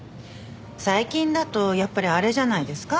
最近だとやっぱりあれじゃないですか？